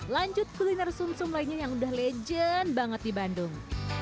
lanjut kuliner sum sum lainnya yang udah legend banget di bandung